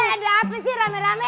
ada apa sih rame rame